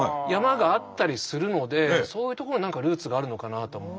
山があったりするのでそういうとこに何かルーツがあるのかなと。